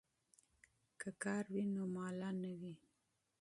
که کار وي نو ماله نه وي.